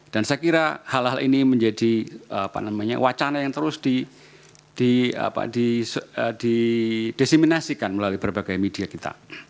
dan saya kira hal hal ini menjadi wacana yang terus didesiminasikan melalui berbagai media kita